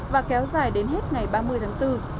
và kéo dài đến hết ngày ba mươi tháng bốn